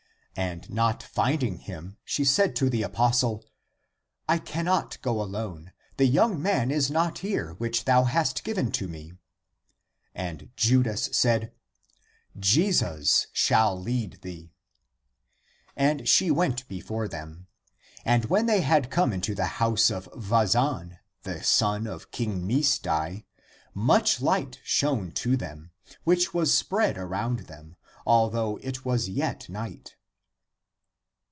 And not finding him, she said to the apostle, " I can not go alone. The young man is not here, which thou hast given to me." And Judas said, " Jesus shall lead thee." And she went before them. And when thev had come into the house of Vazan, the 352 THE APOCRYPHAL ACTS son of King Misdai, much light shone to them, which was spread around them, although it was yet night.